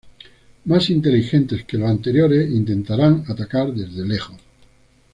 Más inteligentes que los anteriores, intentarán atacar desde lejos.